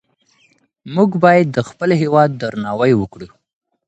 مونږ باید د خپل هیواد درناوی وکړو.